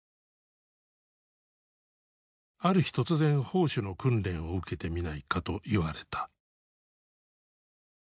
ある日突然砲手の訓練を受けてみないかと言われた。